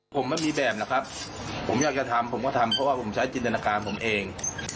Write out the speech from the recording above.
ผมไม่มีแบบหรอกครับผมอยากจะทำผมก็ทำเพราะว่าผมใช้จินตนาการผมเอง